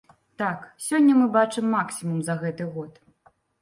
Так, сёння мы бачым максімум за гэты год.